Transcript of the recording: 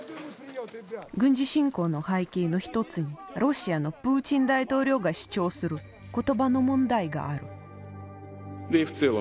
軍事侵攻の背景の一つにロシアのプーチン大統領が主張する言葉の問題がある。